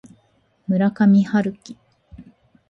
村上春樹